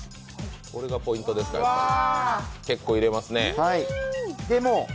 これがポイントですか、結構入れますね。